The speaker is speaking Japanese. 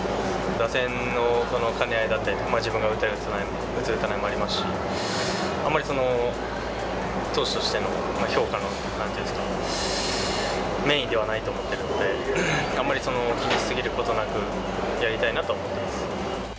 打線の兼ね合いだったり、自分が打つ打たないもありますし、あんまり投手としての評価のなんていうんですか、メインではないと思ってるので、あんまり気にし過ぎることなく、やりたいなと思ってます。